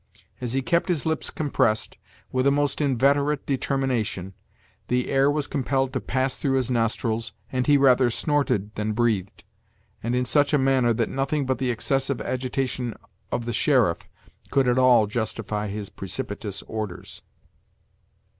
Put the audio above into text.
As he kept his lips compressed, with a most inveterate determination, the air was compelled to pass through his nostrils, and he rather snorted than breathed, and in such a manner that nothing but the excessive agitation of the sheriff could at all justify his precipitous orders.